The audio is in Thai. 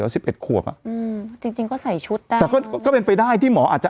สิบเอ็ดขวบอ่ะอืมจริงจริงก็ใส่ชุดได้แต่ก็ก็เป็นไปได้ที่หมออาจจะ